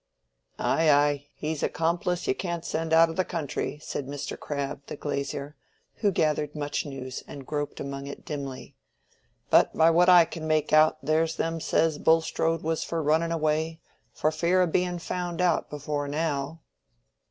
"Ay, ay, he's a 'complice you can't send out o' the country," said Mr. Crabbe, the glazier, who gathered much news and groped among it dimly. "But by what I can make out, there's them says Bulstrode was for running away, for fear o' being found out, before now."